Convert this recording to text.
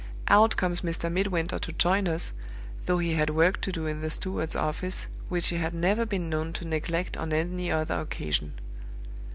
Out comes Mr. Midwinter to join us, though he had work to do in the steward's office, which he had never been known to neglect on any other occasion.